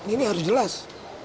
ini harus jelas